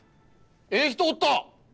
ええ人おった！